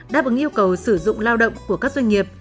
đáp ứng yêu cầu sử dụng lao động của các doanh nghiệp